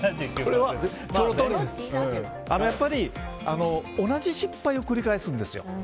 やっぱり同じ失敗を繰り返すんですよ。